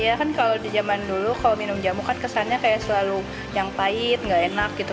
iya kan kalau di zaman dulu kalau minum jamu kan kesannya kayak selalu yang pahit gak enak gitu